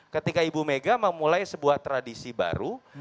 ketika ibu mega memulai sebuah tradisi baru